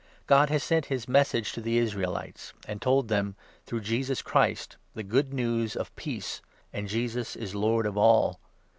God has 36 sent his Message to the Israelites and told them, through Jesus Christ, the Good News of peace — and Jesus is Lord of all